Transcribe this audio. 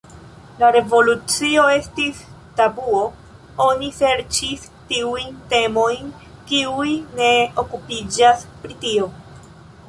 La revolucio estis tabuo, oni serĉis tiujn temojn, kiuj ne okupiĝas pri tio.